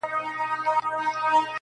o خدايه زارۍ کومه سوال کومه.